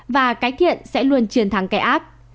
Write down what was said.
và cái thiện sẽ luôn chiến thắng kẻ ác